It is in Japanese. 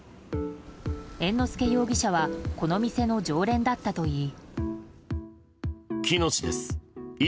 猿之助容疑者はこの店の常連だったといい。